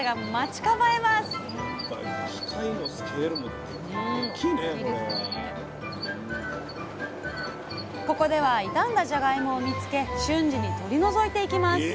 ここでは傷んだじゃがいもを見つけ瞬時に取り除いていきます